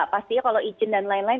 pastinya kalau izin dan lain lain